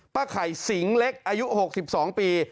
ไข่สิงเล็กอายุ๖๒ปี